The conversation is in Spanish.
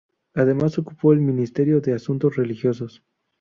Además ocupó el ministerio de Asuntos Religiosos.